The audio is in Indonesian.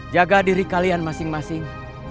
jaga diri kalian masing masing